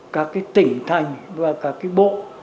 các tỉnh thành và các bộ